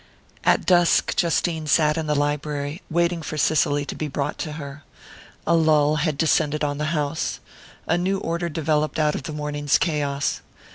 At dusk, Justine sat in the library, waiting for Cicely to be brought to her. A lull had descended on the house a new order developed out of the morning's chaos.